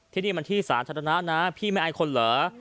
ที่นี่มันที่สาธารณะนะพี่ไม่อายคนเหรอ